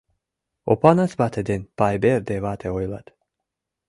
— Опанас вате ден Пайберде вате ойлат.